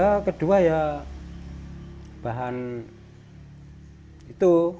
ya kedua ya bahan itu